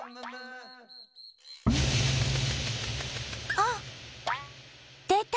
あっでた！